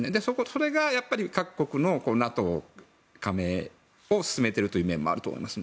それが各国のＮＡＴＯ加盟を進めている面があると思います。